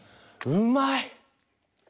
うまい。